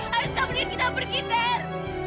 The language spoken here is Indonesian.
haruskah mending kita pergi ter